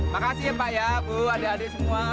makasih ya pak ya bu adik adik semua